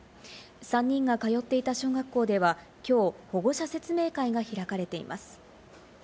３人が通っていた小学校ではきょう、保護者説明会が開かれています。